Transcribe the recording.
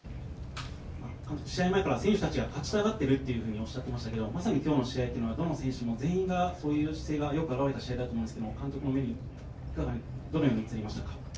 試合前から、選手たちが勝ちたがっているっておっしゃってましたけど、まさにきょうの試合っていうのは、どの選手の姿勢がよく表れた試合だったと思うんですけれども、監督の目に、いかが、どのように映りましたか？